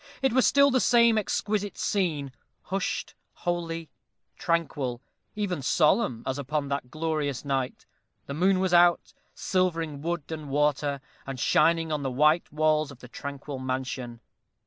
It was still the same exquisite scene, hushed, holy, tranquil even solemn, as upon that glorious night. The moon was out, silvering wood and water, and shining on the white walls of the tranquil mansion.